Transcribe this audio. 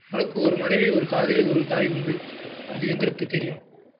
உனக்கு ஒரு மனைவி ஒரு காதலி ஒரு தாய் உண்டு அது எங்களுக்குத் தெரியும்.